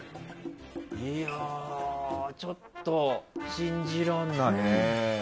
いやあ、ちょっと信じられないね。